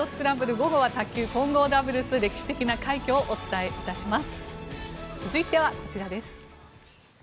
午後は卓球混合ダブルス歴史的な快挙をお伝えします。